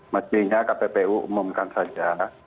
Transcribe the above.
maksudnya kppu umumkan saja